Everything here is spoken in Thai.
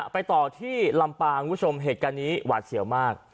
ไปต่อที่ลำปางคุณผู้ชมเหตุการณ์นี้หวาดเสียวมาก